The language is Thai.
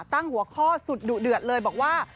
ตั้งหัวข้อสุดดุเดือดเลยบอกว่า